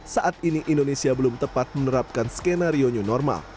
saat ini indonesia belum tepat menerapkan skenario new normal